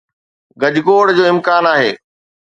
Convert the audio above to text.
گجگوڙ جو امڪان آهي